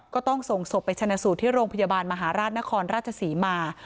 ก็ต้องส่งศพไปชนะสูตรที่โรงพยาบาลมหาราชนครราชศรีมา